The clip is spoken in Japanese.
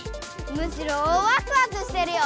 むしろワクワクしてるよ。